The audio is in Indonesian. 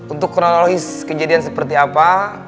untuk kronologis kejadian seperti apa